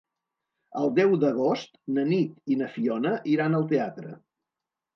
El deu d'agost na Nit i na Fiona iran al teatre.